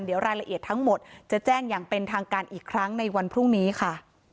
เดี๋ยวรายละเอียดทั้งหมดจะแจ้งอย่างเป็นทางการอีกครั้งในวันพรุ่งนี้ค่ะ